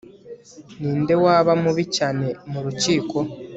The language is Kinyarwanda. Ninde waba mubi cyane murukiko